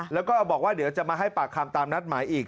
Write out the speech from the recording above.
แล้วก็บอกว่าเดี๋ยวจะมาให้ปากคำตามนัดหมายอีก